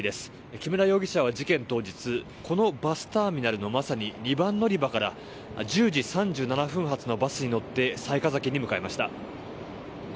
木村容疑者は事件当日このバスターミナルのまさに２番乗り場から１０時３７分発のバスに乗って雑賀崎に向かいました。